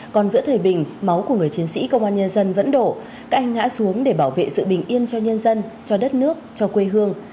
còn giữa thời bình máu của người chiến sĩ công an nhân dân vẫn đổ các anh ngã xuống để bảo vệ sự bình yên cho nhân dân cho đất nước cho quê hương